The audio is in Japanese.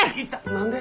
何で。